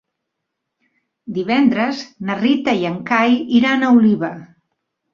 Divendres na Rita i en Cai iran a Oliva.